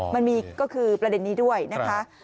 มันมีก็คือประเด็นนี้ด้วยนะคะ